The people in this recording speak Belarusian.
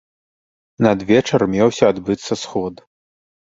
Надвечар меўся адбыцца сход.